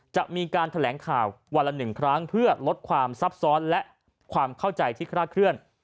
จะมีการแถลงข่าววันละ๑ครั้งเพื่อลดความซับซ้อนและความเข้าใจที่คลาดเคลื่อน